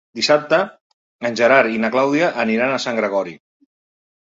Dissabte en Gerard i na Clàudia aniran a Sant Gregori.